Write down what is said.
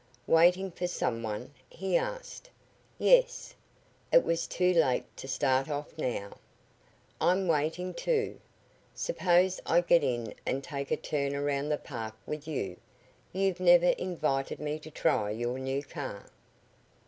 "Waiting for some one?" he asked. "Yes." It was too late to start off now: "I'm waiting, too. Suppose I get in and take a turn around the park with you? You've never invited me to try your new car."